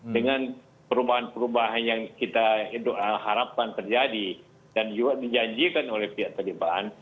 dengan perubahan perubahan yang kita harapkan terjadi dan juga dijanjikan oleh pihak taliban